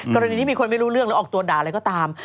กรณีที่มีคนไม่รู้เรื่องหรือออกตัวด่าอะไรก็ตาม